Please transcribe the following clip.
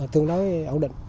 tương đối ổn định